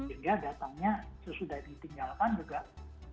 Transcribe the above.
sehingga datangnya sesudah ditinggalkan juga itu bisa dihakimi